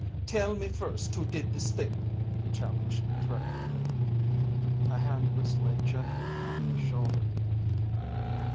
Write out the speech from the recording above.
"Tell me first who did this thing," he challenged, threateningly. A hand was laid gently upon his shoulder.